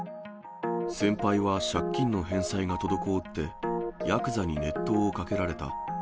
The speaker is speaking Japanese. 先輩は借金の返済が滞って、やくざに熱湯をかけられた。